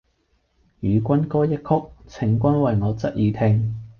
與君歌一曲，請君為我側耳聽！